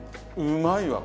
うまいわ。